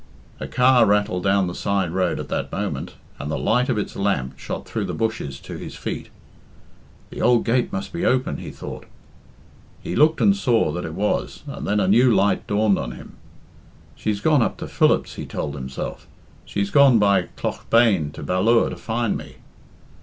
A car rattled down the side road at that moment, and the light of its lamp shot through the bushes to his feet. "The ould gate must be open," he thought. He looked and saw that it was, and then a new light dawned on him. "She's gone up to Philip's," he told himself. "She's gone by Claughbane to Ballure to find me."